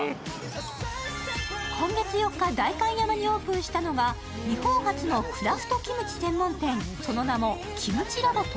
今月４日、代官山にオープンしたのが日本初のクラフトキムチ専門店、その名もＫｉｍｃｈｉＬａｂＴｏｋｙｏ。